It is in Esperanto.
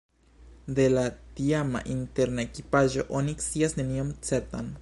De la tiama interna ekipaĵo oni scias nenion certan.